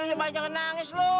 udah ya mah jangan nangis lo